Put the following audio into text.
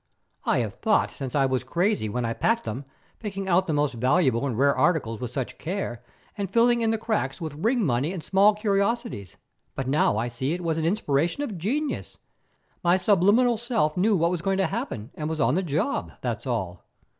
I have thought since that I was crazy when I packed them, picking out the most valuable and rare articles with such care, and filling in the cracks with ring money and small curiosities, but now I see it was the inspiration of genius. My subliminal self knew what was going to happen, and was on the job, that's all.